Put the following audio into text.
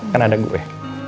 kan ada gue